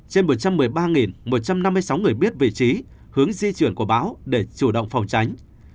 trên một trăm một mươi ba một trăm năm mươi sáu người biết vị trí hướng di chuyển của bão để chủ động phòng tránh